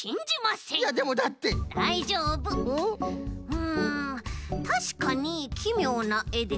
うんたしかにきみょうなえですが。